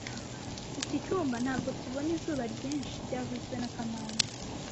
Iki cyumba ntabwo kibona izuba ryinshi byavuzwe na kamanzi